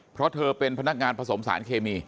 เพราะเธอเป็นพนักงานผสมสารเคมี